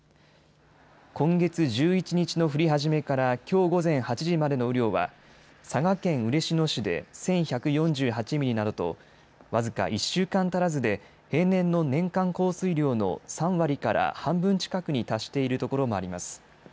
今月１１日の降り始めからきょう午前８時までの雨量は佐賀県嬉野市で１１４８ミリなどと僅か１週間足らずで平年の年間降水量の３割から半分近くに達しているところもあります。